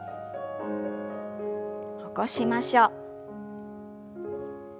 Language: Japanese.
起こしましょう。